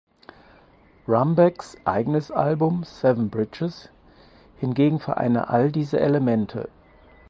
Rumbacks eigenes Album "Seven Bridges" hingegen vereine all diese Elemente.